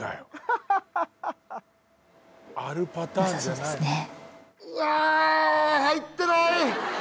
なさそうですね。